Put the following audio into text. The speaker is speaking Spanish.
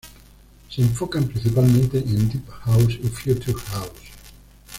Se enfocan principalmente en Deep house y Future house.